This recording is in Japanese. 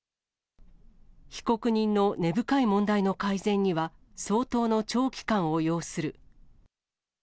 被告人の根深い問題の改善には、相当の長期間を要する。